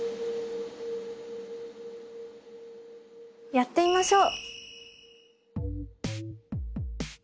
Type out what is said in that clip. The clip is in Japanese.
やってみましょう。